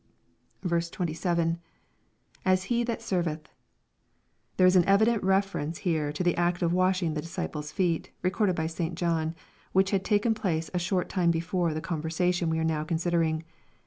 27. — [As he that serveth,] There is an evident reference here to the act of washing the disciples' feet, recorded by St. John, which had taken place a very short time before the conversation we are now considering.